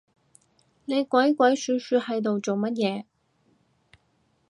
你鬼鬼鼠鼠係度做乜嘢